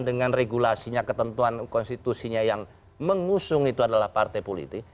dengan regulasinya ketentuan konstitusinya yang mengusung itu adalah partai politik